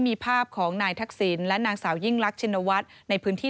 มีภาพของนายทักศิลป์และนางสาวยิ้งลักษณวะในพื้นที่